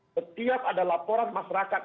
setiap ada laporan masyarakat